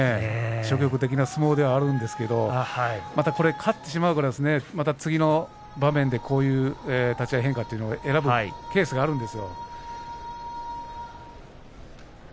消極的な相撲ではあるんですがまた、これ勝ってしまうから次の場面でこういう立ち合いの変化を選ぶケースがあるんですよ。